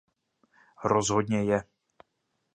Rozhodně je.